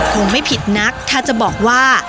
คงไม่ผิดนักถ้าจะบอกว่า